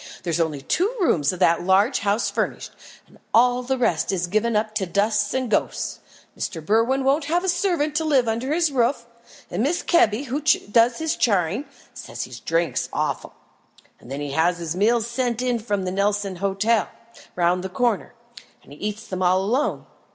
"There's only two rooms of that large house furnished, and all the rest is given up to dust and ghosts. Mr. Berwin won't have a servant to live under his roof, and Mrs. Kebby, who does his charing, says he drinks awful. Then he has his meals sent in from the Nelson Hotel round the corner, and eats them all alone.